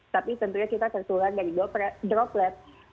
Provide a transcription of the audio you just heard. tapi tentunya kita tertular dari droplet